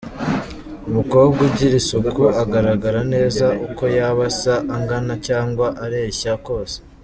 Umukobwa ugira isuku agaragara neza uko yaba asa, angana cyangwa areshya kose.